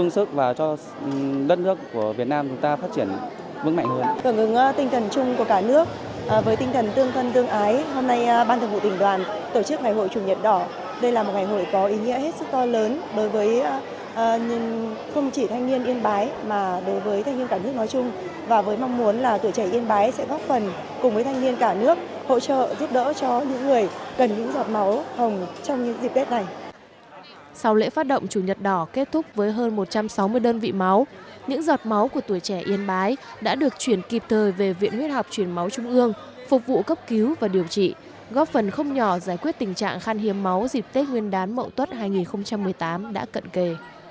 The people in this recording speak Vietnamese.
ngày hội phát động chủ nhật đỏ kết thúc với hơn một trăm sáu mươi đơn vị máu những giọt máu của tuổi trẻ yên bái đã được chuyển kịp thời về viện huyết học chuyên máu trung ương phục vụ cấp cứu và điều trị góp phần không nhỏ giải quyết tình trạng khan hiếm máu dịp tết nguyên đán mậu tuất hai nghìn một mươi tám đã cận kề